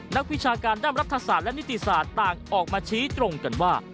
นักวิชาการด้านรัฐศาสตร์และนิติศาสตร์ต่างออกมาชี้ตรงกันว่า